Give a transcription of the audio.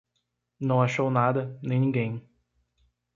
Não achou nada, nem ninguém.